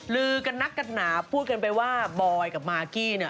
ลือกันนักกันหนาพูดกันไปว่าบอยกับมากกี้เนี่ย